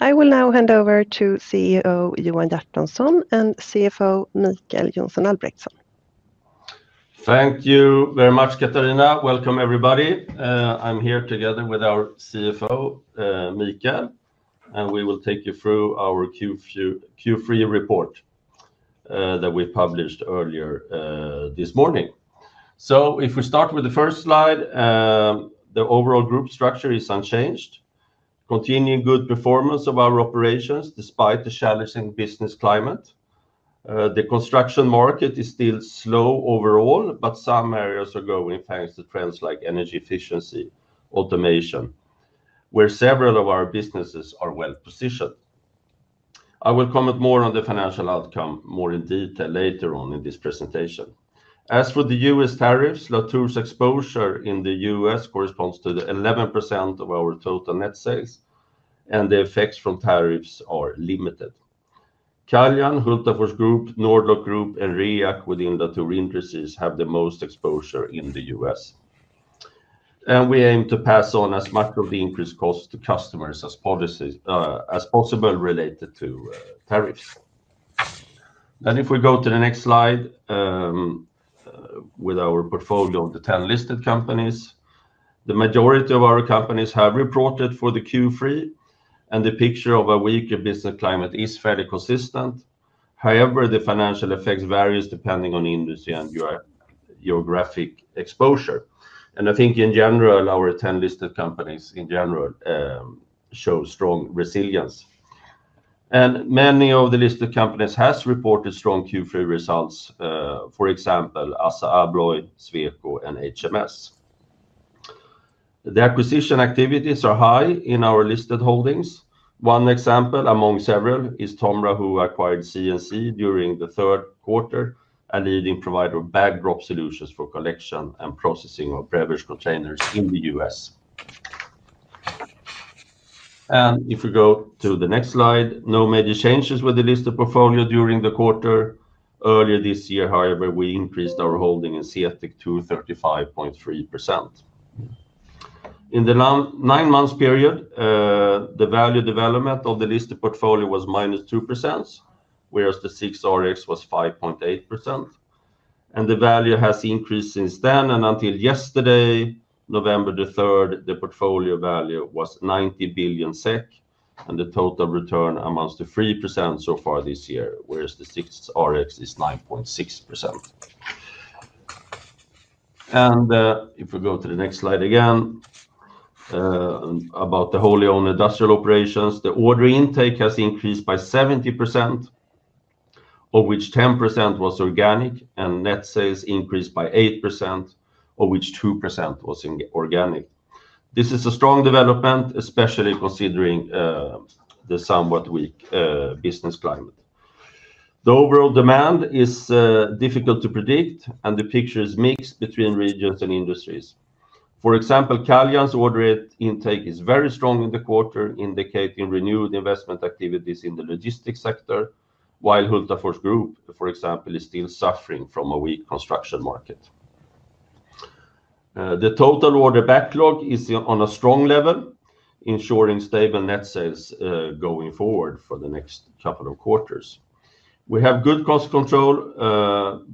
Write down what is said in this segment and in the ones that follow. I will now hand over to CEO Johan Hjertonsson and CFO Mikael Albrektsson. Thank you very much, Katarina. Welcome, everybody. I'm here together with our CFO, Mikael, and we will take you through our Q3 report that we published earlier this morning. If we start with the first slide, the overall group structure is unchanged. Continuing good performance of our operations despite the challenging business climate. The construction market is still slow overall, but some areas are growing thanks to trends like energy efficiency automation, where several of our businesses are well positioned. I will comment more on the financial outcome more in detail later on in this presentation. As for the U.S. tariffs, Latour's exposure in the U.S. corresponds to 11% of our total net sales, and the effects from tariffs are limited. Caljan, Hultafors Group, Nord-Lock Group, and REAC within Latour Industries have the most exposure in the U.S., and we aim to pass on as much of the increased cost to customers as possible related to tariffs. If we go to the next slide, with our portfolio of the 10 listed companies, the majority of our companies have reported for the Q3, and the picture of a weaker business climate is fairly consistent. However, the financial effects vary depending on industry and geographic exposure. I think in general, our 10 listed companies in general show strong resilience. Many of the listed companies have reported strong Q3 results, for example, ASSA ABLOY, Sweco, and HMS Networks. The acquisition activities are high in our listed holdings. One example among several is Tomra, who acquired CNC during the third quarter, a leading provider of backdrop solutions for collection and processing of beverage containers in the U.S. If we go to the next slide, no major changes with the listed portfolio during the quarter. Earlier this year, however, we increased our holding in CTEK to 35.3%. In the nine-month period, the value development of the listed portfolio was minus 2%, whereas the SIXRX was 5.8%. The value has increased since then, and until yesterday, November the 3rd, the portfolio value was 90 billion SEK, and the total return amounts to 3% so far this year, whereas the SIXRX is 9.6%. If we go to the next slide again, about the wholly owned industrial operations, the order intake has increased by 17%, of which 10% was organic, and net sales increased by 8%, of which 2% was organic. This is a strong development, especially considering the somewhat weak business climate. The overall demand is difficult to predict, and the picture is mixed between regions and industries. For example, Caljan's order intake is very strong in the quarter, indicating renewed investment activities in the logistics sector, while Hultafors Group, for example, is still suffering from a weak construction market. The total order backlog is on a strong level, ensuring stable net sales going forward for the next couple of quarters. We have good cost control,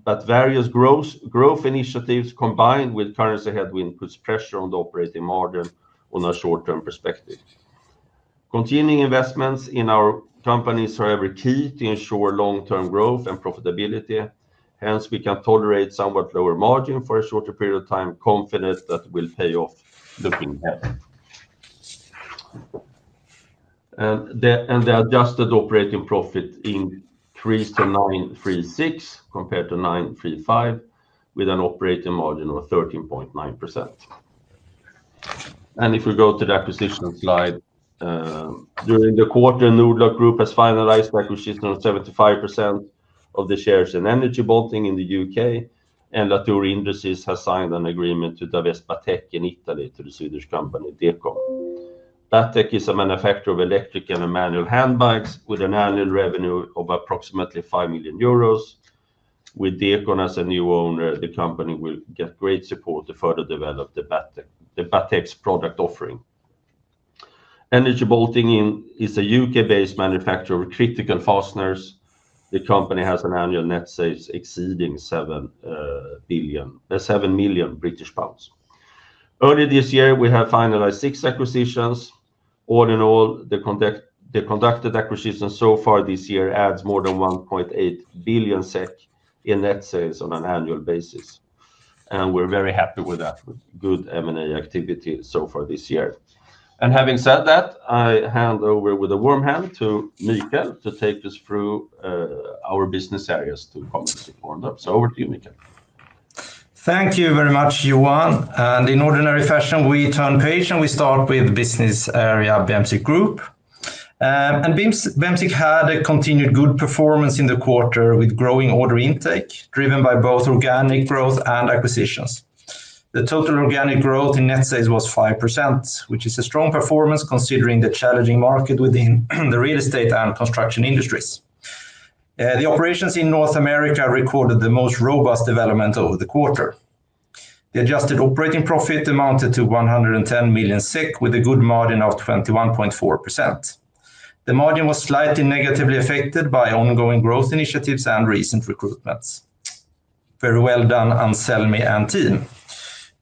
but various growth initiatives combined with currency headwind puts pressure on the operating margin on a short-term perspective. Continuing investments in our companies are ever key to ensure long-term growth and profitability. Hence, we can tolerate somewhat lower margin for a shorter period of time, confident that it will pay off looking ahead. The adjusted operating profit increased to 936 million compared to 9.35 million, with an operating margin of 13.9%. If we go to the acquisition slide. During the quarter, Nord-Lock Group has finalized acquisition of 75% of the shares in Energy Bolting in the U.K., and Latour Industries has signed an agreement to divest Batec in Italy to the Swedish company Deacon. Batec is a manufacturer of electrical and manual handbags, with an annual revenue of approximately 5 million euros. With Deacon as a new owner, the company will get great support to further develop Batec's product offering. Energy Bolting is a U.K.-based manufacturer of critical fasteners. The company has annual net sales exceeding 7.7 million British pounds. Earlier this year, we have finalized six acquisitions. All in all, the conducted acquisitions so far this year add more than 1.8 billion SEK in net sales on an annual basis. We are very happy with that good M&A activity so far this year. Having said that, I hand over with a warm hand to Mikael to take us through our business areas to common support. Over to you, Mikael. Thank you very much, Johan. In ordinary fashion, we turn page and we start with business area Bemsiq Group. Bemsiq had a continued good performance in the quarter with growing order intake driven by both organic growth and acquisitions. The total organic growth in net sales was 5%, which is a strong performance considering the challenging market within the real estate and construction industries. The operations in North America recorded the most robust development over the quarter. The adjusted operating profit amounted to 110 million SEK with a good margin of 21.4%. The margin was slightly negatively affected by ongoing growth initiatives and recent recruitments. Very well done on SELMI and team.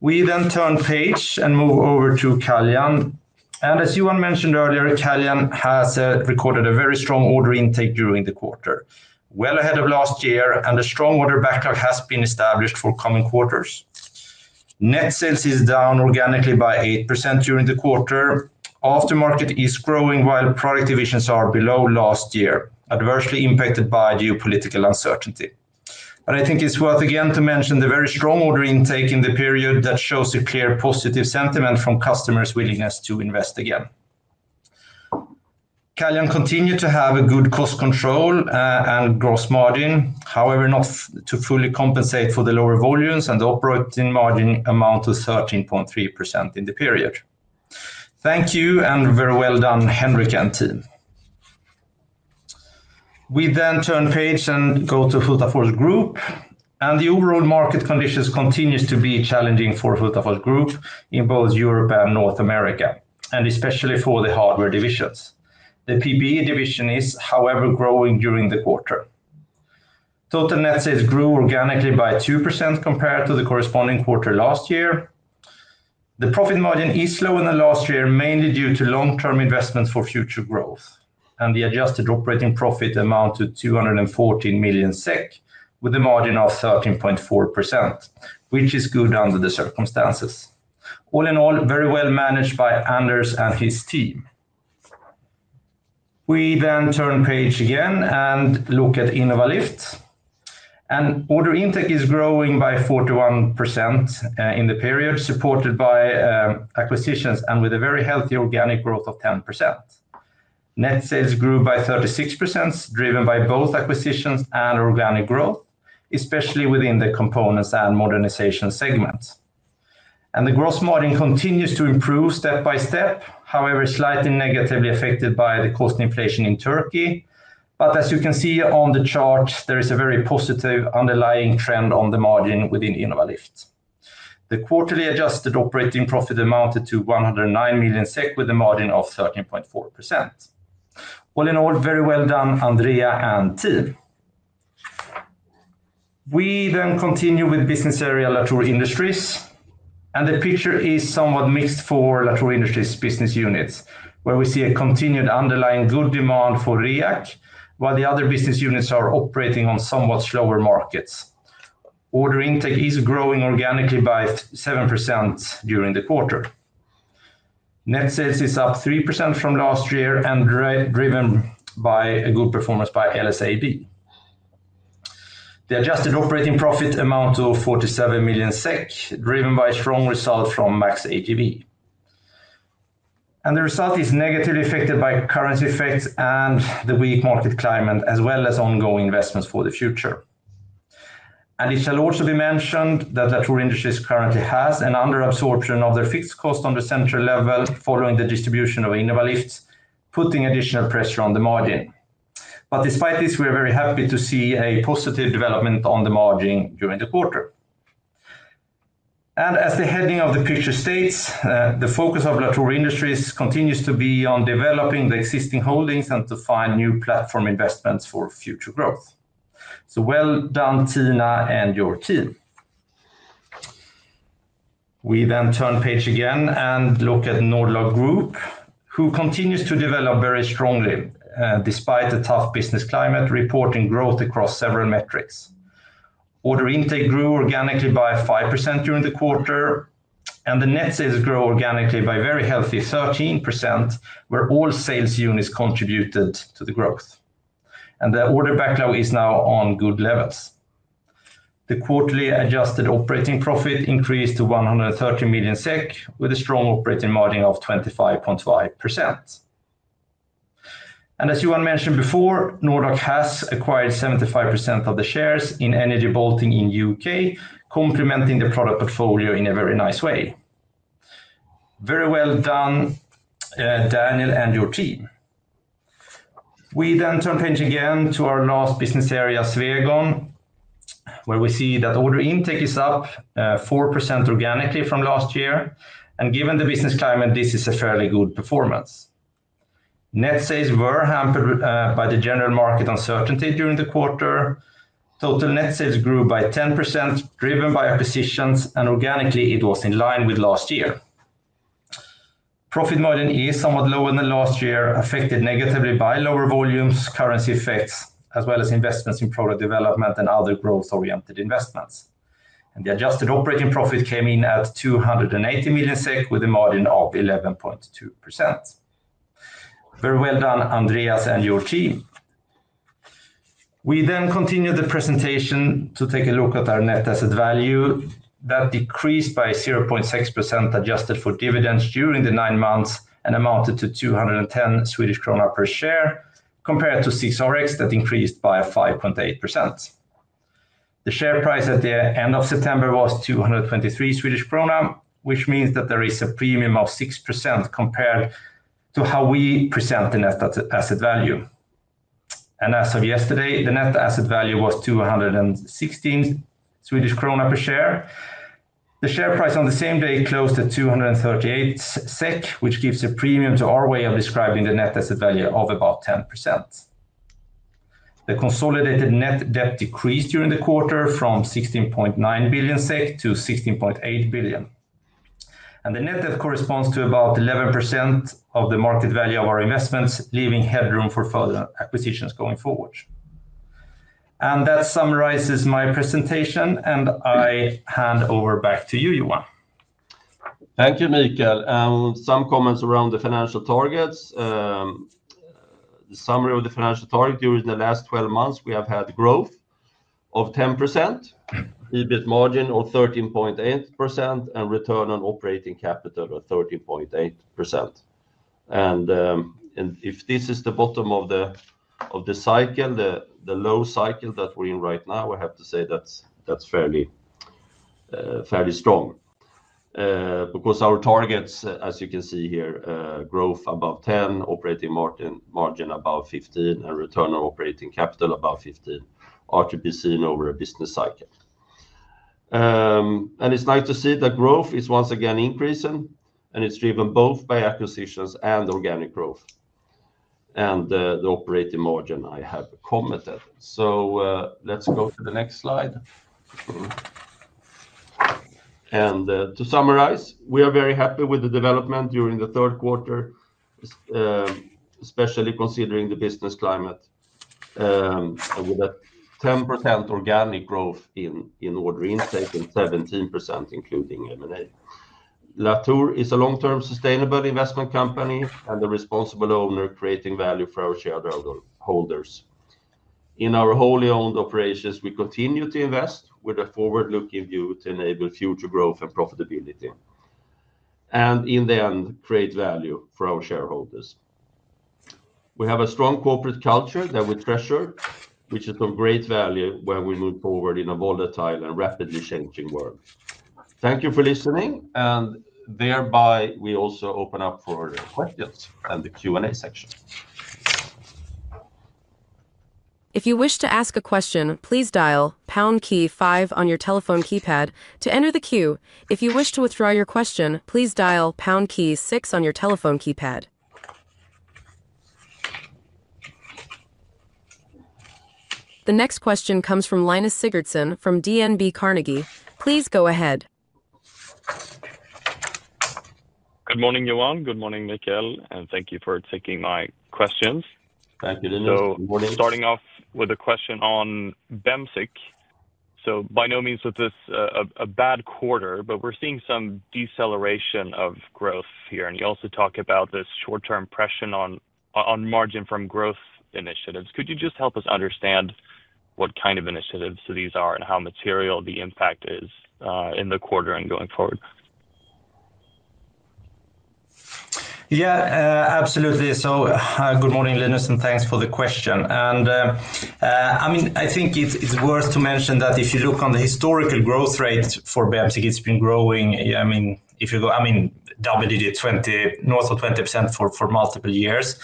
We then turn page and move over to Caljan. As Johan mentioned earlier, Caljan has recorded a very strong order intake during the quarter, well ahead of last year, and a strong order backlog has been established for coming quarters. Net sales is down organically by 8% during the quarter. Aftermarket is growing while product divisions are below last year, adversely impacted by geopolitical uncertainty. I think it is worth again to mention the very strong order intake in the period that shows a clear positive sentiment from customers' willingness to invest again. Caljan continued to have good cost control and gross margin, however, not to fully compensate for the lower volumes and operating margin amount of 13.3% in the period. Thank you and very well done, Henrik and team. We then turn page and go to Hultafors Group. The overall market conditions continue to be challenging for Hultafors Group in both Europe and North America, and especially for the hardware divisions. The PPE division is, however, growing during the quarter. Total net sales grew organically by 2% compared to the corresponding quarter last year. The profit margin is slow in the last year, mainly due to long-term investments for future growth. The adjusted operating profit amounted to 214 million SEK with a margin of 13.4%, which is good under the circumstances. All in all, very well managed by Anders and his team. We then turn page again and look at Innovalift. Order intake is growing by 41% in the period, supported by acquisitions and with a very healthy organic growth of 10%. Net sales grew by 36%, driven by both acquisitions and organic growth, especially within the components and modernization segments. The gross margin continues to improve step by step, however, slightly negatively affected by the cost inflation in Turkey. As you can see on the chart, there is a very positive underlying trend on the margin within Innovalift. The quarterly adjusted operating profit amounted to 109 million SEK with a margin of 13.4%. All in all, very well done, Andrea and team. We then continue with business area Latour Industries. The picture is somewhat mixed for Latour Industries' business units, where we see a continued underlying good demand for REAC, while the other business units are operating on somewhat slower markets. Order intake is growing organically by 7% during the quarter. Net sales is up 3% from last year and driven by good performance by LSAB. The adjusted operating profit amounted to 47 million SEK, driven by a strong result from MAXAGV. The result is negatively affected by currency effects and the weak market climate, as well as ongoing investments for the future. It shall also be mentioned that Latour Industries currently has an under absorption of their fixed cost on the central level following the distribution of Innovalift, putting additional pressure on the margin. Despite this, we are very happy to see a positive development on the margin during the quarter. As the heading of the picture states, the focus of Latour Industries continues to be on developing the existing holdings and to find new platform investments for future growth. Well done, Tina, and your team. We then turn page again and look at Nord-Lock Group, who continues to develop very strongly despite a tough business climate, reporting growth across several metrics. Order intake grew organically by 5% during the quarter, and the net sales grew organically by a very healthy 13%, where all sales units contributed to the growth. The order backlog is now on good levels. The quarterly adjusted operating profit increased to 130 million SEK, with a strong operating margin of 25.5%. As Johan mentioned before, Nord-Lock has acquired 75% of the shares in Energy Bolting in the U.K., complementing the product portfolio in a very nice way. Very well done, Daniel and your team. We then turn page again to our last business area, Swegon, where we see that order intake is up 4% organically from last year. Given the business climate, this is a fairly good performance. Net sales were hampered by the general market uncertainty during the quarter. Total net sales grew by 10%, driven by acquisitions, and organically, it was in line with last year. Profit margin is somewhat lower than last year, affected negatively by lower volumes, currency effects, as well as investments in product development and other growth-oriented investments. The adjusted operating profit came in at 280 million SEK, with a margin of 11.2%. Very well done, Andreas and your team. We then continue the presentation to take a look at our net asset value that decreased by 0.6% adjusted for dividends during the nine months and amounted to 210 Swedish krona per share, compared to SIXRX that increased by 5.8%. The share price at the end of September was 223 Swedish krona, which means that there is a premium of 6% compared to how we present the net asset value. As of yesterday, the net asset value was 216 Swedish krona per share. The share price on the same day closed at 238 SEK, which gives a premium to our way of describing the net asset value of about 10%. The consolidated net debt decreased during the quarter from 16.9 billion SEK to 16.8 billion. The net debt corresponds to about 11% of the market value of our investments, leaving headroom for further acquisitions going forward. That summarizes my presentation, and I hand over back to you, Johan. Thank you, Mikael. Some comments around the financial targets. The summary of the financial target during the last 12 months, we have had growth of 10%, EBIT margin of 13.8%, and return on operating capital of 13.8%. If this is the bottom of the cycle, the low cycle that we're in right now, I have to say that's fairly strong. Our targets, as you can see here, growth above 10%, operating margin above 15%, and return on operating capital above 15% are to be seen over a business cycle. It's nice to see that growth is once again increasing, and it's driven both by acquisitions and organic growth. The operating margin I have commented. Let's go to the next slide. To summarize, we are very happy with the development during the third quarter, especially considering the business climate. With a 10% organic growth in order intake and 17% including M&A. Latour is a long-term sustainable investment company and a responsible owner creating value for our shareholders. In our wholly owned operations, we continue to invest with a forward-looking view to enable future growth and profitability. In the end, create value for our shareholders. We have a strong corporate culture that we treasure, which is of great value when we move forward in a volatile and rapidly changing world. Thank you for listening, and thereby we also open up for questions and the Q&A section. If you wish to ask a question, please dial pound key five on your telephone keypad to enter the queue. If you wish to withdraw your question, please dial pound key six on your telephone keypad. The next question comes from Linus Sigurdsson from DNB Carnegie. Please go ahead. Good morning, Johan. Good morning, Mikael. Thank you for taking my questions. Thank you, Linus. Starting off with a question on Bemsiq. By no means was this a bad quarter, but we're seeing some deceleration of growth here. You also talk about this short-term pressure on margin from growth initiatives. Could you just help us understand what kind of initiatives these are and how material the impact is in the quarter and going forward? Yeah, absolutely. Good morning, Linus, and thanks for the question. I mean, I think it's worth to mention that if you look on the historical growth rate for Bemsiq, it's been growing. I mean, if you go, I mean, double-digit, 20, north of 20% for multiple years.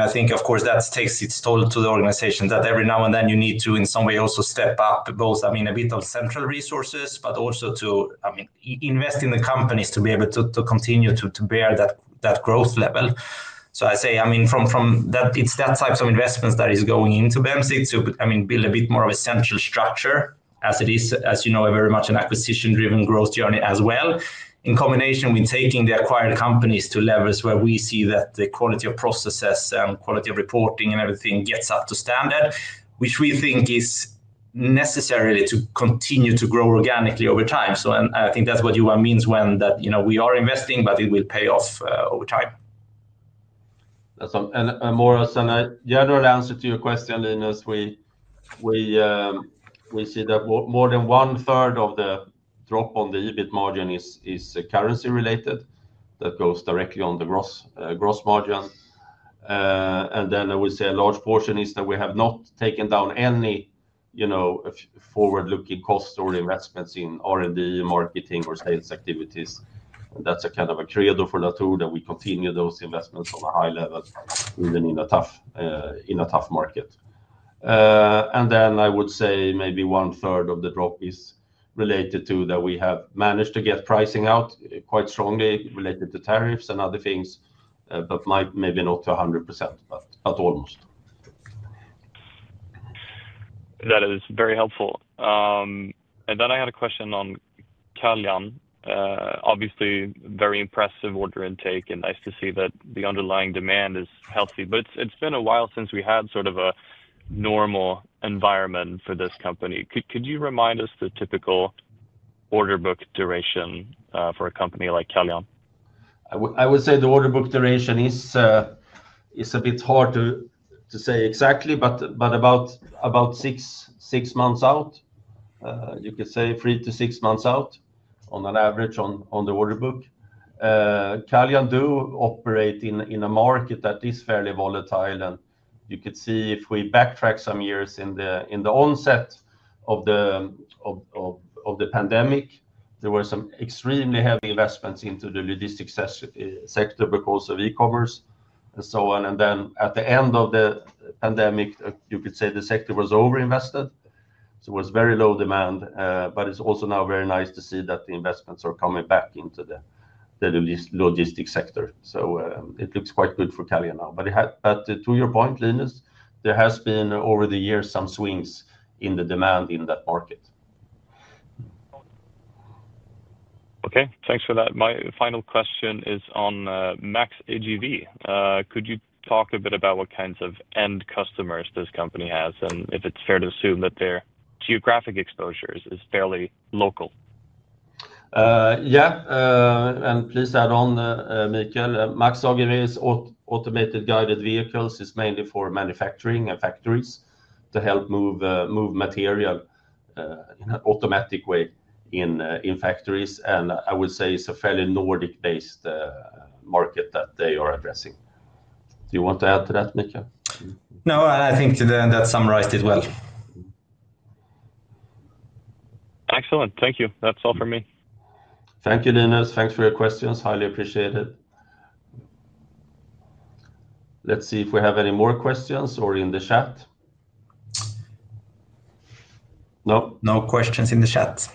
I think, of course, that takes its toll to the organization that every now and then you need to, in some way, also step up both, I mean, a bit of central resources, but also to, I mean, invest in the companies to be able to continue to bear that growth level. I say, I mean, from that, it's that type of investments that is going into Bemsiq to, I mean, build a bit more of a central structure as it is, as you know, very much an acquisition-driven growth journey as well, in combination with taking the acquired companies to levels where we see that the quality of processes and quality of reporting and everything gets up to standard, which we think is necessary to continue to grow organically over time. I think that's what Johan means when that we are investing, but it will pay off over time. More as a general answer to your question, Linus, we see that more than one third of the drop on the EBIT margin is currency related. That goes directly on the gross margin. I would say a large portion is that we have not taken down any forward-looking costs or investments in R&D, marketing, or sales activities. That is a kind of a credo for Latour that we continue those investments on a high level, even in a tough market. I would say maybe 1/3 of the drop is related to that we have managed to get pricing out quite strongly related to tariffs and other things, but maybe not to 100%, but almost. That is very helpful. I had a question on Caljan. Obviously, very impressive order intake, and nice to see that the underlying demand is healthy. It has been a while since we had sort of a normal environment for this company. Could you remind us the typical order book duration for a company like Caljan? I would say the order book duration is a bit hard to say exactly, but about six months out. You could say three to six months out on an average on the order book. Caljan does operate in a market that is fairly volatile. You could see if we backtrack some years in the onset of the pandemic, there were some extremely heavy investments into the logistics sector because of e-commerce and so on. At the end of the pandemic, you could say the sector was over-invested. It was very low demand, but it is also now very nice to see that the investments are coming back into the logistics sector. It looks quite good for Caljan now. To your point, Linus, there has been over the years some swings in the demand in that market. Okay, thanks for that. My final question is on MAXAGV. Could you talk a bit about what kinds of end customers this company has and if it's fair to assume that their geographic exposure is fairly local? Yeah, and please add on, Mikael. MAXAGV's automated guided vehicles is mainly for manufacturing and factories to help move material in an automatic way in factories. I would say it's a fairly Nordic-based market that they are addressing. Do you want to add to that, Mikael? No, I think that summarized it well. Excellent. Thank you. That's all for me. Thank you, Linus. Thanks for your questions. Highly appreciate it. Let's see if we have any more questions or in the chat. No? No questions in the chat.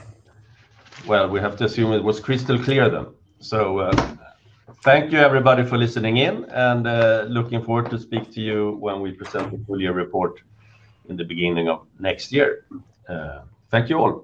We have to assume it was crystal clear then. Thank you, everybody, for listening in and looking forward to speaking to you when we present the full year report in the beginning of next year. Thank you all.